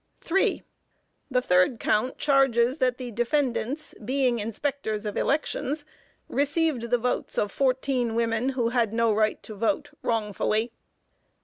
3. The third count charges that the defendants, being inspectors of elections, received the votes of fourteen women who had no right to vote, wrongfully.